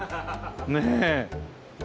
ねえ。